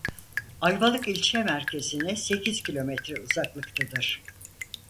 Ayvalık ilçe merkezine sekiz kilometre uzaklıktadır.